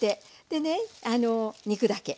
でね肉だけ。